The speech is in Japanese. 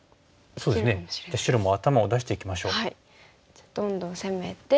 じゃあどんどん攻めて。